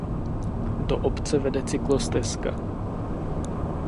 Do obce vede cyklostezka.